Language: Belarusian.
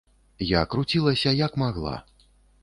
Я круцілася, як магла.